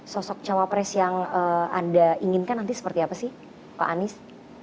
sosok cawapres yang anda inginkan nanti seperti apa sih pak anies